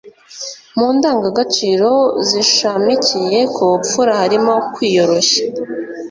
mu ndangagaciro zishamikiye ku bupfura harimo kwiyoroshya